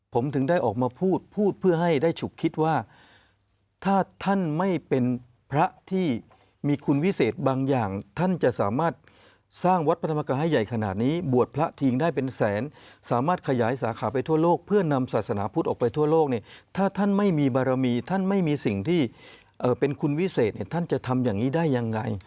ผมถึงได้ออกมาพูดพูดเพื่อให้ได้ฉุกคิดว่าถ้าท่านไม่เป็นพระที่มีคุณวิเศษบางอย่างท่านจะสามารถสร้างวัดพระธรรมกายใหญ่ขนาดนี้บวชพระทิ้งได้เป็นแสนสามารถขยายสาขาไปทั่วโลกเพื่อนำศาสนาพุทธออกไปทั่วโลกเนี่ยถ้าท่านไม่มีบารมีท่านไม่มีสิ่งที่เป็นคุณวิเศษเนี่ยท่านจะทำอย่างนี้ได้ยังไง